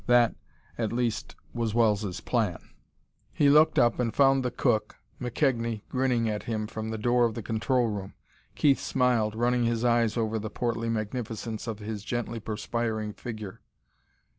That, at least, was Wells' plan. He looked up and found the cook, McKegnie, grinning at him from the door of the control room. Keith smiled, running his eyes over the portly magnificence of his gently perspiring figure.